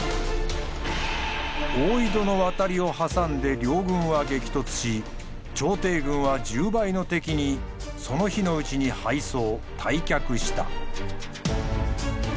大井戸の渡を挟んで両軍は激突し朝廷軍は１０倍の敵にその日のうちに敗走退却した。